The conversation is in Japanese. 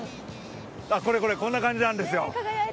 これこれ、こんな感じなんですよ。